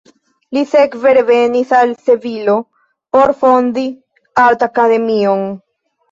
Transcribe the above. Li sekve revenis al Sevilo por fondi art-akademion.